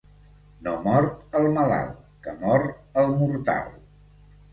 No mor el malalt, que mor el mortal.